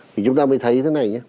thì chúng ta mới thấy thế này nhé